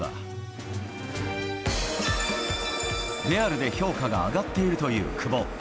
レアルで評価が上がっているという久保。